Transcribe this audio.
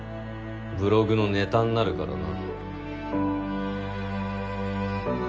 ブログのネタになるからな。